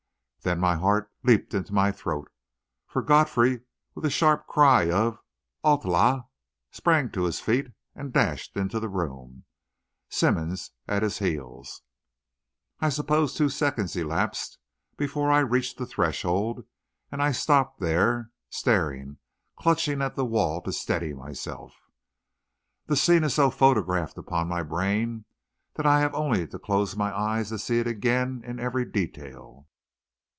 Then my heart leaped into my throat, for Godfrey, with a sharp cry of "Halte là!" sprang to his feet and dashed into the room, Simmonds at his heels. I suppose two seconds elapsed before I reached the threshold, and I stopped there, staring, clutching at the wall to steady myself. That scene is so photographed upon my brain that I have only to close my eyes to see it again in every detail.